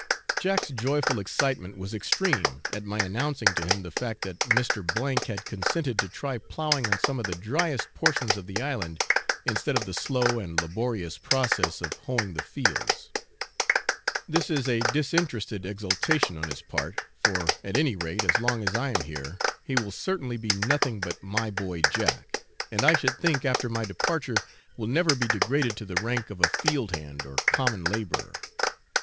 Jack's joyful excitement was extreme at my announcing to him the fact that Mr. had consented to try ploughing on some of the driest portions of the island instead of the slow and laborious process of hoeing the fields; this is a disinterested exultation on his part, for at any rate as long as I am here, he will certainly be nothing but 'my boy Jack,' and I should think after my departure will never be degraded to the rank of a field hand or common labourer.